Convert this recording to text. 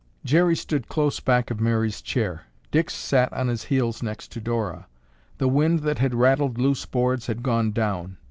Jerry stood close back of Mary's chair. Dick sat on his heels next to Dora. The wind that had rattled loose boards had gone down.